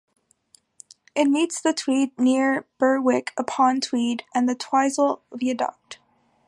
It meets the Tweed near Berwick-upon-Tweed and the Twizel Viaduct.